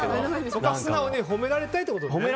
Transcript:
そこは素直に褒められたいってことだね。